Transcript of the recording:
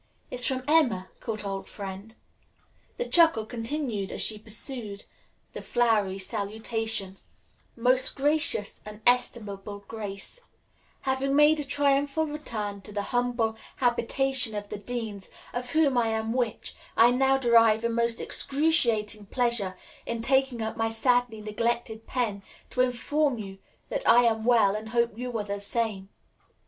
"It's from Emma, good old friend." The chuckle continued as she perused the flowery salutation: "MOST GRACIOUS AND ESTIMABLE GRACE: "Having made a triumphal return to the humble habitation of the Deans, of whom I am which, I now derive a most excruciating pleasure in taking up my sadly neglected pen to inform you that I am well and hope you are the same.